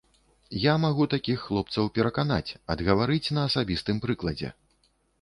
Я магу такіх хлопцаў пераканаць, адгаварыць на асабістым прыкладзе.